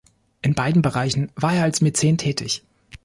In beiden Bereichen war er als Mäzen tätig.